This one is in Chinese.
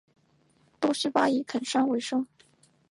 多希巴以垦山为生。